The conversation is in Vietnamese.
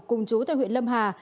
cùng chú tại huyện lâm hà